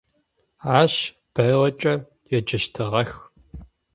Ащ Бэллэкӏэ еджэщтыгъэх.